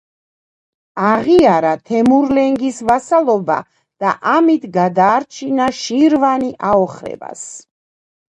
აღიარა თემურლენგის ვასალობა და ამით გადაარჩინა შირვანი აოხრებას.